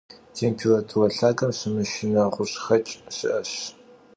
Têmpêrature lhagem şımışşıne ğuş'xeç' şı'eş.